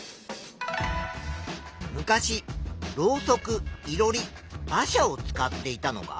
昔ろうそくいろり馬車を使っていたのが。